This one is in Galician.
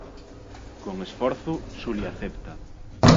Con esforzo, Xulia acepta.